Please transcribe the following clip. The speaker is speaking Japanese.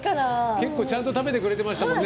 結構、ちゃんと全部食べてくれてましたもんね。